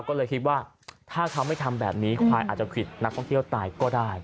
ก็เลยคิดว่าถ้าเขาไม่ทำแบบนี้ควายอาจจะผิดนักท่องเที่ยวตายก็ได้